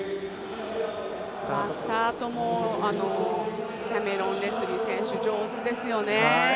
スタートもキャメロン・レスリー選手上手ですよね。